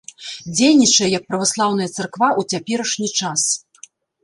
Дзейнічае як праваслаўная царква ў цяперашні час.